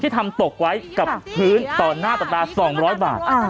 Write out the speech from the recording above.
ทำตกไว้กับพื้นต่อหน้าต่อตา๒๐๐บาท